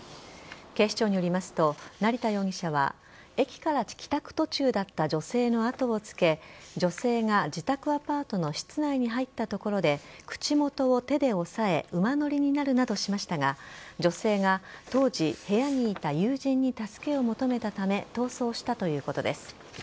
警視庁によりますと成田容疑者は駅から帰宅途中だった女性の後をつけ女性が自宅アパートの室内に入ったところで口元を手で押さえ馬乗りになるなどしましたが女性が当時、部屋にいた友人に助けを求めたため逃走したということです。